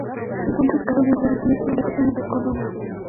Se encuentra ubicado en el noroccidente del departamento de Córdoba.